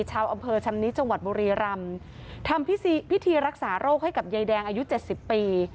ชาวอำเภอชำนิจังหวัดบุรีรำทำพิธีพิธีรักษาโรคให้กับยายแดงอายุเจ็ดสิบปี